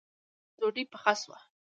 ډوډۍ پخه شوه